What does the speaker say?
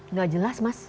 enggak jelas mas